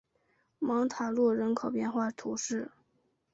芒塔洛人口变化图示